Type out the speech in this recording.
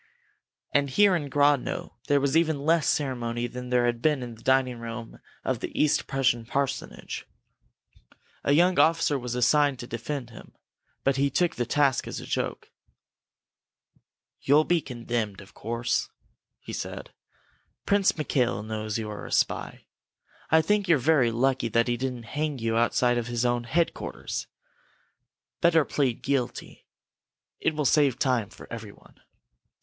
And here in Grodno there was even less ceremony than there had been in the dining room of the East Prussian parsonage. A young officer was assigned to defend him, but he took the task as a joke. "You'll be condemned, of course," he said. "Prince Mikail knows you are a spy. I think you're very lucky that he didn't hang you outside of his own headquarters! Better plead guilty. It will save time for everyone."